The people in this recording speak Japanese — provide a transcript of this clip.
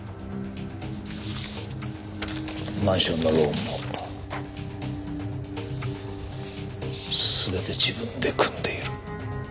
マンションのローンも全て自分で組んでいる。